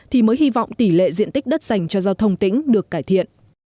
thì mới hy vọng tỷ lệ diện tích đất dành cho giao thông tỉnh được cải thiện